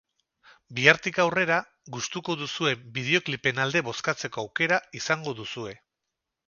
Bihartik aurrera gustuko duzuen bideoklipen alde bozkatzeko aukera izango duzue.